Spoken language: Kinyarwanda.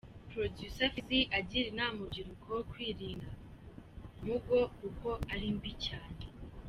Producer Feezy agira inama urubyiruko kwirinda ‘Mugo’ kuko ari mbi cyane.